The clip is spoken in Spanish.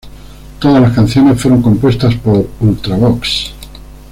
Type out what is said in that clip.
Todas las canciones fueron compuestas por Ultravox!